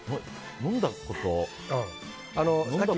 飲んだことは。